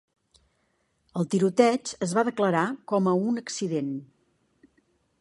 El tiroteig es va declarar com a un accident.